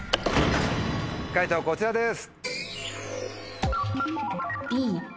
解答こちらです。